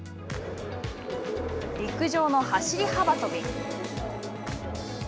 陸上の走り幅跳び。